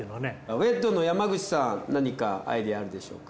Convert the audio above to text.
ＷＥＤの山口さん何かアイデアあるでしょうか？